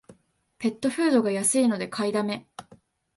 ペットフードが安いので買いだめ